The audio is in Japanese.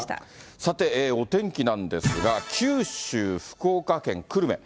さて、お天気なんですが、九州・福岡県久留米。